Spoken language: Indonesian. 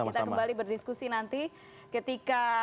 kita kembali berdiskusi nanti ketika